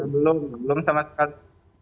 belum belum sama sekali